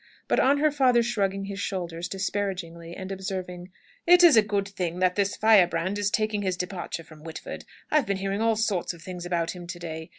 But on her father shrugging his shoulders disparagingly and observing, "It is a good thing that this firebrand is taking his departure from Whitford. I've been hearing all sorts of things about him to day.